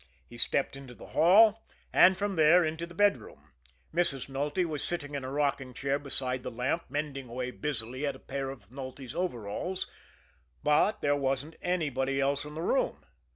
He stepped into the hall, and from there into the bedroom. Mrs. Nulty was sitting in a rocking chair beside the lamp, mending away busily at a pair of Nulty's overalls but there wasn't anybody else in the room.